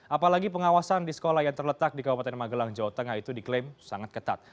apalagi pengawasan di sekolah yang terletak di kabupaten magelang jawa tengah itu diklaim sangat ketat